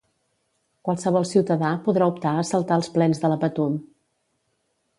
Qualsevol ciutadà podrà optar a saltar als plens de la Patum.